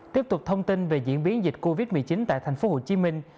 tiếp tục thông tin về diễn biến dịch covid một mươi chín tại thành phố hồ chí minh